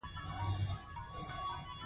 خور د کور دننه نظام سمبالوي.